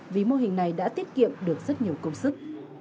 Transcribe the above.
vì mô hình này đã tiết kiệm được rất nhiều công sức